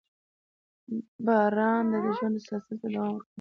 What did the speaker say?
• باران د ژوند تسلسل ته دوام ورکوي.